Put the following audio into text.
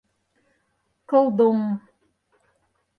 Клдоҥ!